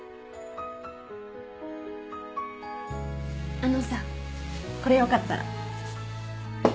あのさこれよかったら。